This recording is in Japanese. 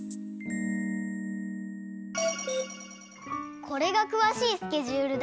これがくわしいスケジュールだよ。